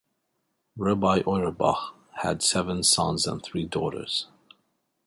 Rabbi Auerbach had seven sons and three daughters.